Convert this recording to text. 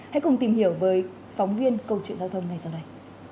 hãy cùng tìm hiểu với phóng viên câu chuyện giao thông ngay sau đây